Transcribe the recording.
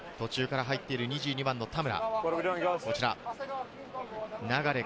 途中から入っている２２番の田村。